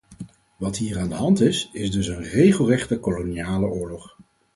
Wat hier aan de hand is, is dus een regelrechte koloniale oorlog.